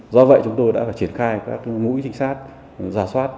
do vậy chúng tôi đã phải triển khai các mũi trinh sát giả soát